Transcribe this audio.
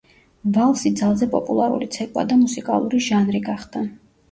ვალსი ძალზე პოპულარული ცეკვა და მუსიკალური ჟანრი გახდა.